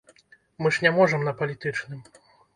Мы ж не можам на палітычным.